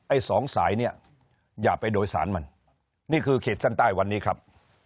ไอ้สองสายเนี่ยอย่าไปโดยสารมันนี่คือเขตเส้นใต้วันนี้ครับ